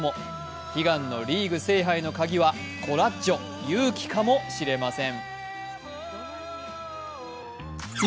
悲願のリーグ制覇への鍵はコラッジョ＝勇気かもしれません。